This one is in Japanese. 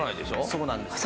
そうなんです。